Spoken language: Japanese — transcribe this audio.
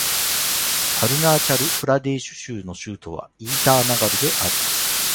アルナーチャル・プラデーシュ州の州都はイーターナガルである